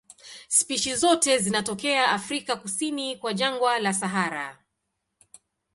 Spishi zote zinatokea Afrika kusini kwa jangwa la Sahara.